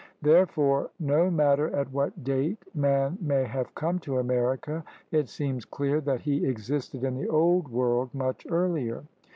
Therefore no matter at what date man may have come to America, it seems 'clear that he existed in the Old World much earlier.